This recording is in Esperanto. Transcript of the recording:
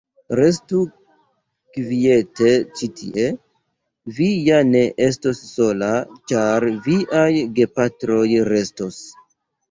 Restu kviete ĉi tie, vi ja ne estos sola, ĉar viaj gepatroj restos.